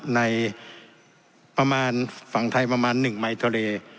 ในฝั่งไทยประมาณ๑มายทะเล